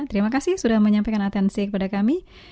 terima kasih sudah menyampaikan atensi kepada kami